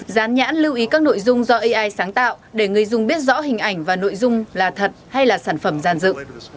dán nhãn lưu ý các nội dung do ai sáng tạo để người dung biết rõ hình ảnh và nội dung là thật hay là sản phẩm gian dự